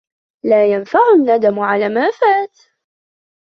لا ينفع الندم على ما فات.